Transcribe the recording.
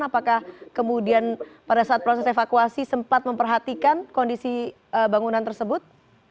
apakah kemudian pada saat proses evakuasi sempat memperhatikan kondisi bangunan tersebut